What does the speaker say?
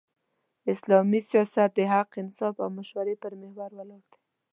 اسلامي سیاست د حق، انصاف او مشورې پر محور ولاړ دی.